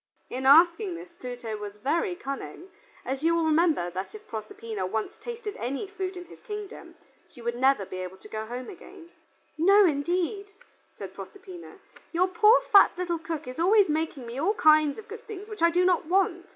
In asking this Pluto was very cunning, as you will remember that if Proserpina once tasted any food in his kingdom, she would never again be able to go home. "No, indeed," said Proserpina. "Your poor fat little cook is always making me all kinds of good things which I do not want.